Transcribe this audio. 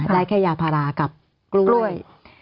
ได้แค่ยาพารากับกล้วย